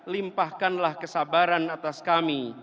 limpahkanlah kesabaran atas kami